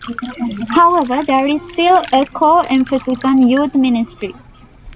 However, there is still a core emphasis on youth ministry.